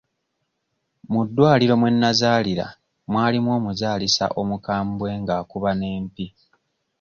Mu ddwaliro mwe nazaalira mwalimu omuzaalisa omukambwe ng'akuba n'empi.